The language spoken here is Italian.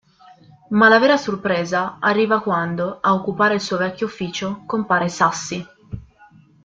Ma la vera sorpresa arriva quando, a occupare il suo vecchio ufficio, compare Sassi.